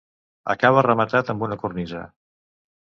Acaba rematat amb una cornisa.